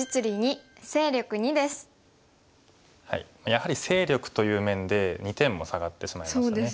やはり勢力という面で２点も下がってしまいましたね。